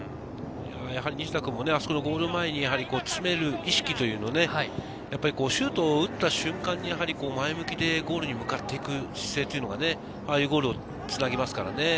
西田君もあそこでゴール前に詰める意識というのをね、シュートを打った瞬間に前向きでゴールに向かっていく姿勢というのはね、ああいうゴールをつなぎますからね。